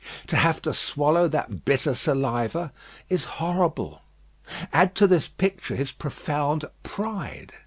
To have to swallow that bitter saliva is horrible. Add to this picture his profound pride.